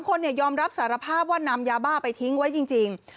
คนยอมรับสารภาพว่านำยาบ้าไปทิ้งไว้จริง